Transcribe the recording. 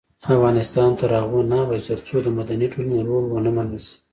افغانستان تر هغو نه ابادیږي، ترڅو د مدني ټولنې رول ومنل نشي.